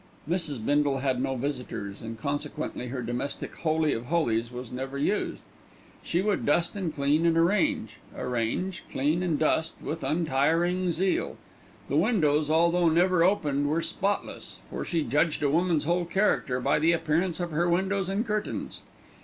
Mrs. Bindle had no visitors, and consequently her domestic holy of holies was never used. She would dust and clean and arrange; arrange, clean, and dust with untiring zeal. The windows, although never opened, were spotless; for she judged a woman's whole character by the appearance of her windows and curtains.